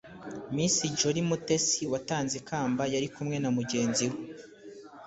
Miss Jolly Mutesi watanze ikamba yari kumwe na mugenzi we